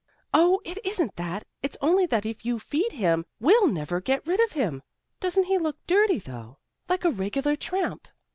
"Oh, it isn't that. It's only that if you feed him, we'll never get rid of him. Doesn't he look dirty though, like a regular tramp?"